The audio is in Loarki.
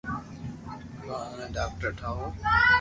پڙآن اوني ڌاڪٽر ٺاوُِ ھون